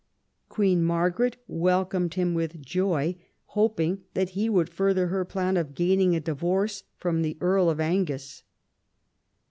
Queen Margaret welcomed him with joy, hoping that he would further her plan of gaining a divorce from the Earl of Angus.